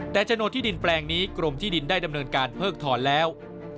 แต่โฉนดที่ดินแปลงนี้กรมที่ดินได้ดำเนินการเพิกถอนแล้ว